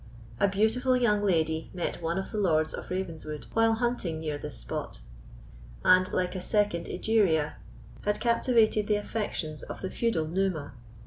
A beautiful young lady met one of the Lords of Ravenswood while hunting near this spot, and, like a second Egeria, had captivated the affections of the feudal Numa.